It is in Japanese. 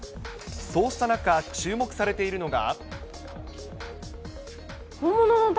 そうした中、注目されているのが。